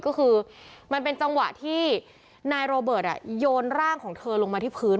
ก็คือมันเป็นจังหวะที่นายโรเบิร์ตโยนร่างของเธอลงมาที่พื้น